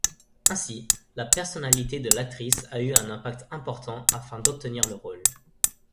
Ainsi, la personnalité de l'actrice a eu un impact important afin d'obtenir le rôle.